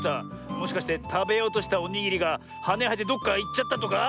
もしかしてたべようとしたおにぎりがはねはえてどっかいっちゃったとか？